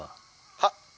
「はっ」。